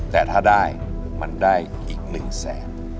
แต่ถ้าได้มันได้อีก๑แสน